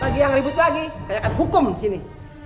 lagi yang ribut lagi kayakan hukum disini